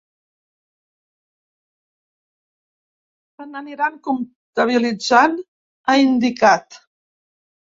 “Se n’aniran compatibilitzant”, ha indicat.